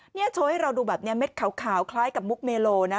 นี่โชว์ให้เราดูแบบนี้เม็ดขาวคล้ายกับมุกเมโลนะ